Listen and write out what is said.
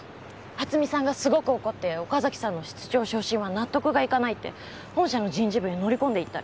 初見さんがすごく怒って岡崎さんの室長昇進は納得がいかないって本社の人事部に乗り込んでいったり。